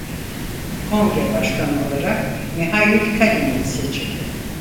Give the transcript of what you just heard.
Kongre başkanı olarak Mihail Kalinin seçildi.